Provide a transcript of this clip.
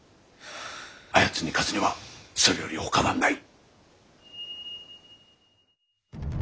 あやつに勝つにはそれよりほかはない。